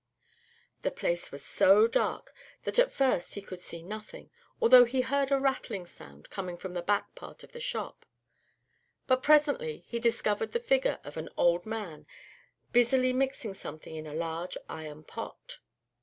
The place was so dark that at first he could see nothing, although he heard a rattling sound coming from the back part of the shop; but presently he discovered the figure of an old man, busily mixing something in a large iron pot.